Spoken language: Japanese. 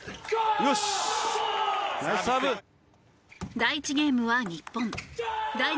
第１ゲームは日本第２